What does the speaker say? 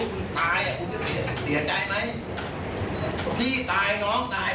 คุณไม่ได้มาเล่น